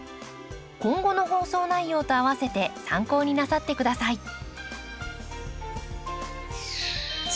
今後の放送内容とあわせて参考になさって下さい。